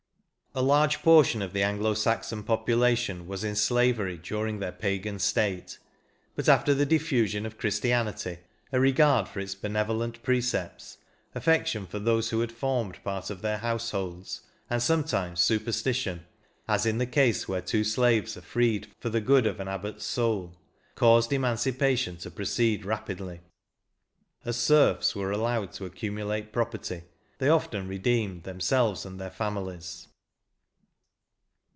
A LARGE portion of the Anglo Saxon population was in slavery during their pagan state, but, after the difiFiision of Christianity, a regard for its bene volent precepts, affection for those who had formed part of their households, and sometimes superstition (as in the case where two slaves are freed for the good of an abbot's soul), caused emancipation to proceed rapidly. As serfs were allowed to accumu late property, they often redeemed themselves and their famiUes.